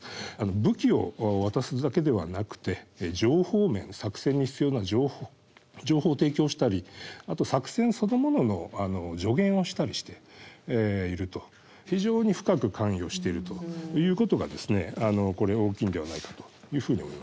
武器を渡すだけではなくて情報面作戦に必要な情報を提供したりあと作戦そのものの助言をしたりしていると非常に深く関与しているということが大きいんではないかというふうに思いますね。